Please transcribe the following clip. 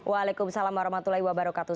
waalaikumsalam warahmatullahi wabarakatuh